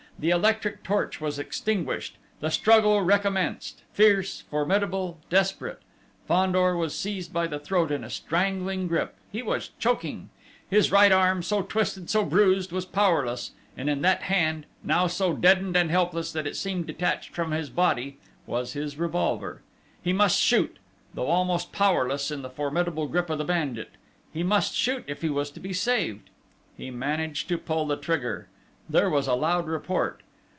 The electric torch was extinguished. The struggle recommenced, fierce, formidable, desperate! Fandor was seized by the throat in a strangling grip: he was choking! His right arm, so twisted, so bruised, was powerless and in that hand, now so deadened and helpless that it seemed detached from his body, was his revolver. He must shoot, though almost powerless in the formidable grip of the bandit. He must shoot if he was to be saved. He managed to pull the trigger. There was a loud report.